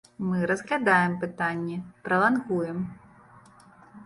Мы разглядаем пытанне, пралангуем.